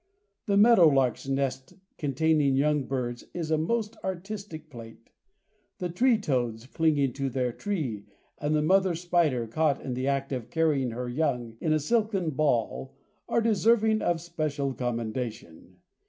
The meadow lark's nest containing young birds is a most artistic plate. The tree toads clinging to their tree and the mother spider caught in the act of carrying her young in a silken ball are deserving of special commendation.